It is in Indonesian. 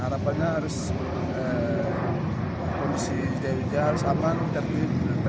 harapannya harus kondisi jaya wijaya harus aman tergindar